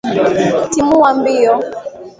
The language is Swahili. Timua mbio.